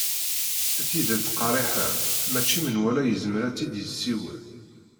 Tidet qerriḥen mačči menwala yezmer a tt-id-yessiwel.